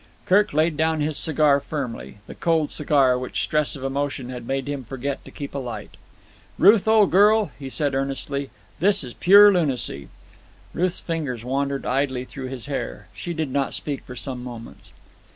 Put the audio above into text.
Kirk laid down his cigar firmly, the cold cigar which stress of emotion had made him forget to keep alight. "Ruth, old girl," he said earnestly, "this is pure lunacy." Ruth's fingers wandered idly through his hair. She did not speak for some moments.